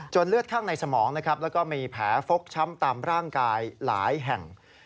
จนเลือดข้างในสมองและมีแผลฟกช้ำตามร่างกายหลายแห่ง